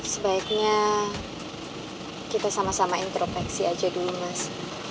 sebaiknya kita sama samain tropeksi aja dulu mas